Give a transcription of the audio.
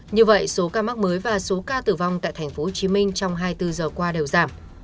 như vậy số ca mắc mới và số ca tử vong tại tp hcm trong hai mươi bốn giờ qua đều giảm